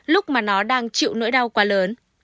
lúc mà nó đang chịu nỗi đau quá lớn